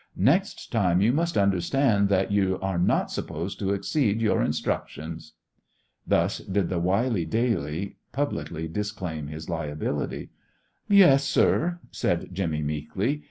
Next time you must understand that you are not supposed to exceed your instructions." Thus did the wily Daly publicly disclaim his liability. "Yes, sir," said Jimmy, meekly.